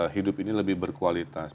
hidup ini lebih berkualitas